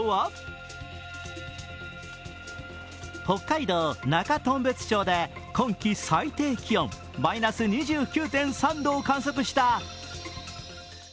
北海道中頓別町で今季最低気温マイナス２９．３度を観測した。